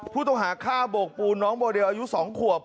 ผู้ต้องหาฆ่าโบกปูนน้องโมเดลอายุ๒ขวบ